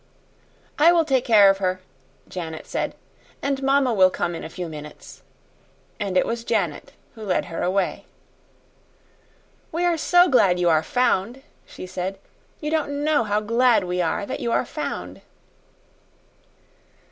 "I will take care of her," Janet said, "and mamma will come in a few minutes." And it was Janet who led her away. "We're so glad you are found," she said. "You don't know how glad we are that you are found."